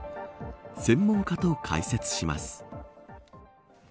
専門家と解説します。